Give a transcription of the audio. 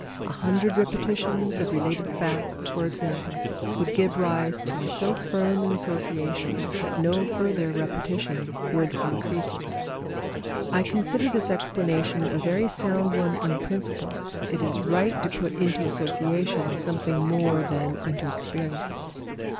A hundred repetitions of related facts, for example, would give rise to so firm an association, that no further repetition would increase it. I consider this explanation a very sound one in principle. It is right to put into association something more than into experience.